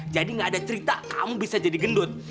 jadi gak ada cerita kamu bisa jadi gendut